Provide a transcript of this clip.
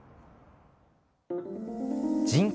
人口